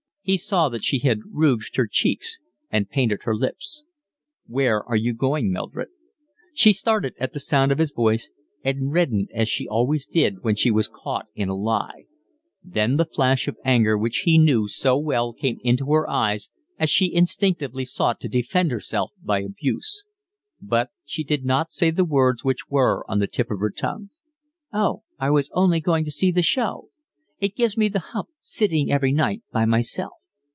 He saw that she had rouged her cheeks and painted her lips. "Where are you going, Mildred?" She started at the sound of his voice and reddened as she always did when she was caught in a lie; then the flash of anger which he knew so well came into her eyes as she instinctively sought to defend herself by abuse. But she did not say the words which were on the tip of her tongue. "Oh, I was only going to see the show. It gives me the hump sitting every night by myself."